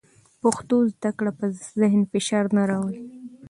پښتو زده کړه په ذهن فشار نه راوړي.